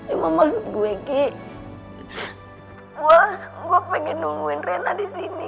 emang maksud gue ki gue pengen nungguin rena disini